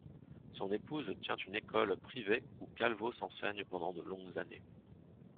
Son épouse tient une école privée où Calvos enseigne pendant de longues années.